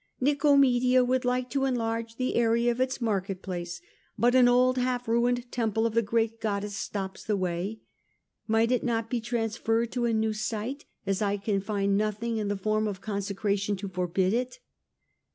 'Nicomedia would like to enlarge the area of its market place, but an old half ruined temple of the Great Goddess stops the way. Might it not be transferred to a new site, as I can find nothing in the form of consecration to forbid it